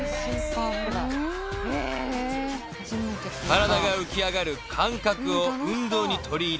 ［体が浮き上がる感覚を運動に取り入れ